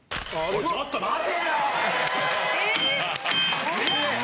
ちょっと待てよ！